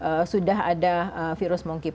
lalu itu sudah ada virus monkey pox